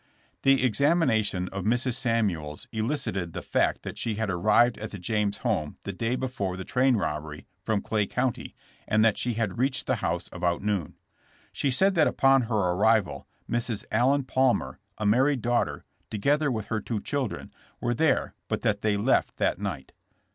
The examination of Mrs. Samuels elicited the fact that she had arrived at the James home the day before the train robbery, from Clay County, and that she had reached the house about noon. She said that upon her arrival Mrs. Allen Palmer, a mar ried daughter, together with her two children, were there, but that they left that night.